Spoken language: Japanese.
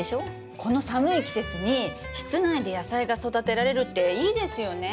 この寒い季節に室内で野菜が育てられるっていいですよね。